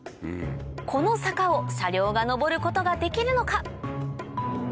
この坂を車両が上ることができるのか？